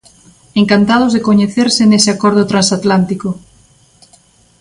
Encantados de coñecerse nese acordo transatlántico.